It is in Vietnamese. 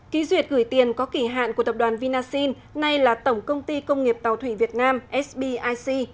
ký duyệt gửi tiền có kỷ hạn của tập đoàn vinasin nay là tổng công ty công nghiệp tàu thủy việt nam sbic